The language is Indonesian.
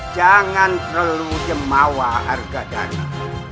jangan perlu jemawa harga dana